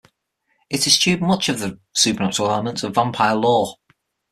It eschewed much of the supernatural elements of vampire lore.